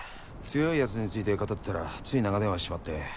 強いやつについて語ってたらつい長電話しちまって。